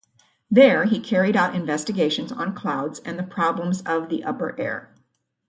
There he carried out investigations on clouds and the problems of the upper air.